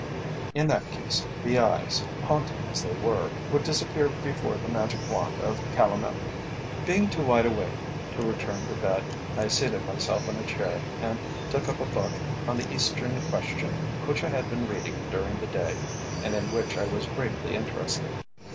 In that case the eyes, haunting as they were, would disappear before the magic wand of Calomel. Being too wide awake to return to bed, I seated myself in a chair and took up a book on the Eastern Question which I had been reading during the day, and in which I was greatly interested.